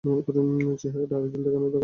চেহারাটা আরও উজ্জ্বল দেখানো দরকার।